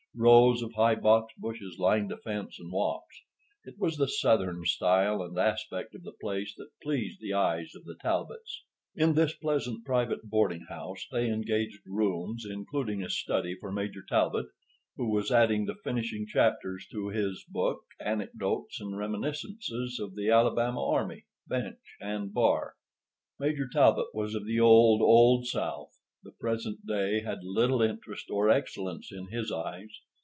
Rows of high box bushes lined the fence and walks. It was the Southern style and aspect of the place that pleased the eyes of the Talbots. In this pleasant private boarding house they engaged rooms, including a study for Major Talbot, who was adding the finishing chapters to his book, Anecdotes and Reminiscences of the Alabama Army, Bench, and Bar. Major Talbot was of the old, old South. The present day had little interest or excellence in his eyes.